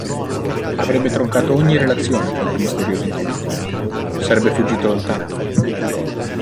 Avrebbe troncato ogni relazione con quei misteriosi individui, sarebbe fuggito lontano.